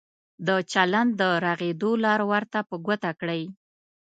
د چلند د رغېدو لار ورته په ګوته کړئ.